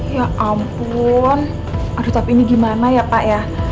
ya ampun aduh capek ini gimana ya pak ya